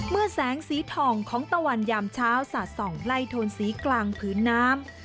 เมื่อแสงสีทองของตะวันยามเช้าสะส่องไล่โทนสีกลางพื้นน้ำ